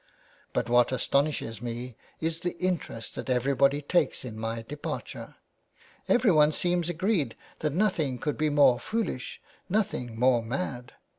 But what astonished me is the interest that everybody takes in my departure. Everyone seems agreed that nothing could be more foolish, nothing more mad.